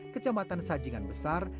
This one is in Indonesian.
kecamatan sajingan besar